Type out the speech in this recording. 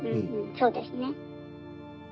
そうですね。